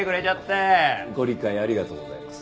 ご理解ありがとうございます。